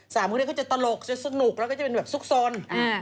สามคนเนี่ยก็จะตลกจะสนุกแล้วก็จะเป็นแบบสุขสน